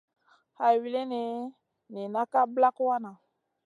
Hay wulini nina ka ɓlak wanaʼ.